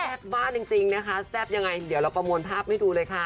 บ้านจริงนะคะแซ่บยังไงเดี๋ยวเราประมวลภาพให้ดูเลยค่ะ